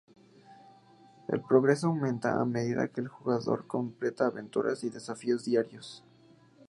El progreso aumenta a medida que el jugador completa Aventuras y Desafíos diarios.